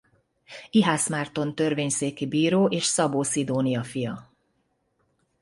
Ihász Márton törvényszéki bíró és Szabó Szidónia fia.